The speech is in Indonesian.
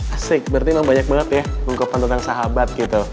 asik berarti memang banyak banget ya ungkapan tentang sahabat gitu